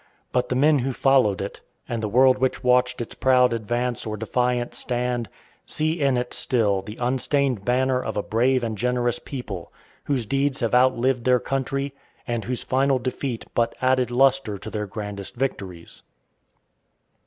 But the men who followed it, and the world which watched its proud advance or defiant stand, see in it still the unstained banner of a brave and generous people, whose deeds have outlived their country, and whose final defeat but added lustre to their grandest victories.